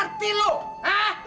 ngerti lo hah